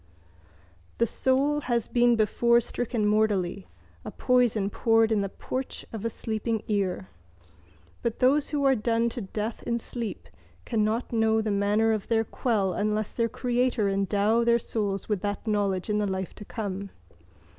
—The soul has been before stricken mortally, a poison poured in the porch of a sleeping ear. But those who are done to death in sleep cannot know the manner of their quell unless their Creator endow their souls with that knowledge in the life to come.